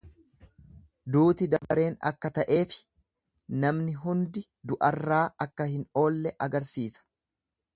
Duuti dabareen akka ta'eefi namni hundi du'arraa akka hin oolle agarsiisa.